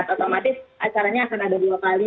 otomatis acaranya akan ada dua kali